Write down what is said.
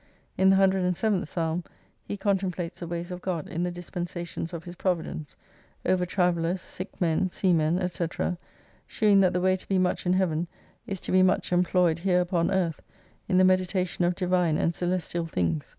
In the 107th psalm he contemplates the ways of God in the dispensa tions of His providence, over travellers, sick men, sea men, &c., shewing that the way to be much in heaven is to be much employed here upon Earth in the medi tation of divine and celestial things.